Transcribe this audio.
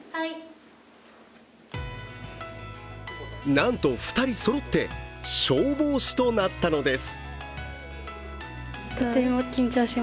なんと、２人そろって消防士となったのです。